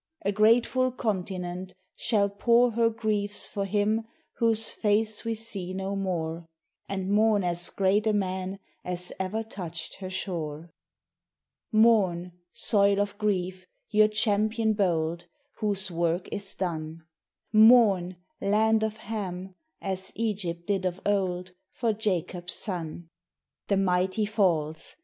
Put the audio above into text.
A grateful continent shall pour Her griefs for him whose face we see no more: And mourn as great a man as ever touched her shore. Mourn, soil of grief, your champion bold, Whose work is done; Mourn, land of Ham, as Egypt did of old, For Jacob's son. The mighty falls!